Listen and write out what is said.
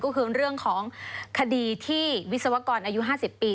ก็คือเรื่องของคดีที่วิศวกรอายุ๕๐ปี